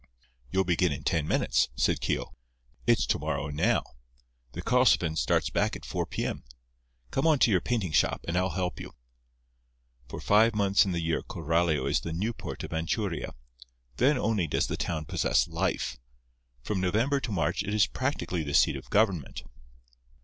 "You'll begin in ten minutes," said Keogh. "It's to morrow now. The Karlsefin starts back at four P.M. Come on to your painting shop, and I'll help you." For five months in the year Coralio is the Newport of Anchuria. Then only does the town possess life. From November to March it is practically the seat of government.